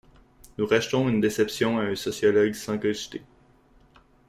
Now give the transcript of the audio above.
Nous rachetons une déception à un sociologue sans cogiter.